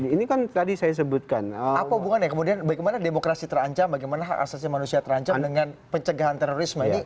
ini kan tadi saya sebutkan apa hubungannya kemudian bagaimana demokrasi terancam bagaimana hak asasi manusia terancam dengan pencegahan terorisme ini